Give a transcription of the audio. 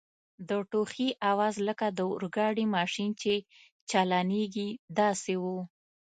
د ټوخي آواز لکه د اورګاډي ماشین چي چالانیږي داسې و.